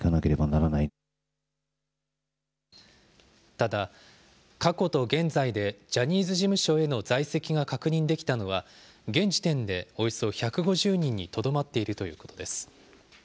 ただ、過去と現在でジャニーズ事務所への在籍が確認できたのは、現時点でおよそ１５０人にとどまっているということです。